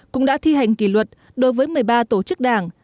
cũng đã thi hành kỷ luật đối với một mươi ba tổ chức đảng